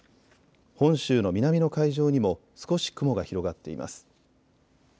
本州の南の海上にも少し雲が広がっています。